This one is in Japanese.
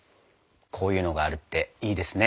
こういうのがあるっていいですね。